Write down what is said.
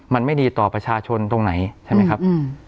มันไม่ดีต่อประชาชนตรงไหนใช่ไหมครับ